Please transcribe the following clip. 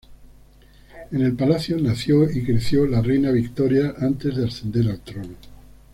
En el palacio nació y creció la reina Victoria antes de ascender al trono.